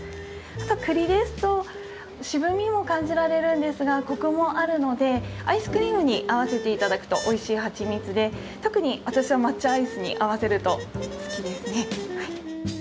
あとクリですと渋みも感じられるんですがコクもあるのでアイスクリームに合わせて頂くとおいしいはちみつで特に私は抹茶アイスに合わせると好きですね。